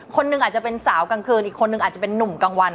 คนหนึ่งอาจจะเป็นสาวกลางคืนอีกคนนึงอาจจะเป็นนุ่มกลางวัน